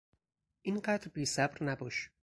اینقدر بیصبر نباش!